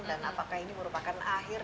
dan apakah ini merupakan akhir